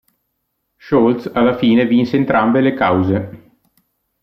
Scholz alla fine vinse entrambe le cause.